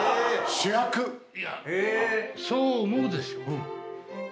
主役⁉そう思うでしょ。